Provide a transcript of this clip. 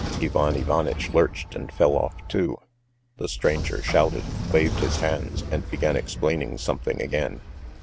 Ivan Ivanitch lurched and fell off too. The stranger shouted, waved his hands, and began explaining something again.